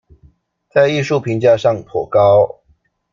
在藝術評價上頗高